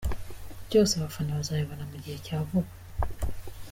Byose abafana bazabibona mu gihe cya vuba.